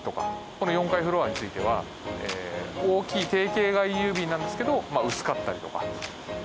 この４階フロアについては大きい定形外郵便なんですけどまあ薄かったりとかっていうもの。